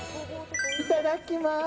いただきます。